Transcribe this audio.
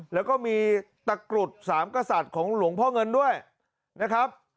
แล้วก็มีตะกรุดสามกษัตริย์ของหลวงพ่อเงินด้วยนะครับ